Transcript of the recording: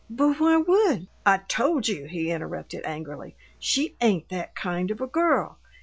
"But why would " "I told you," he interrupted, angrily, "she ain't that kind of a girl!